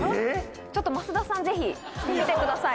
ちょっと増田さんぜひ着てみてください